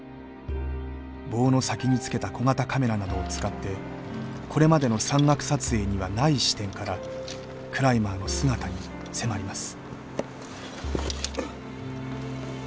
棒の先につけた小型カメラなどを使ってこれまでの山岳撮影にはない視点からクライマーの姿に迫ります。